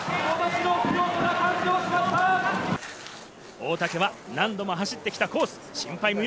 大竹は何度も走ってきたコース、心配無用。